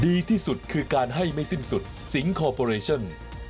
ดีที่สุดคือการให้ไม่สิ้นสุดสิงคอร์ปอเรชั่น